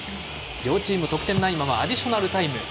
両チーム得点ないままアディショナルタイム。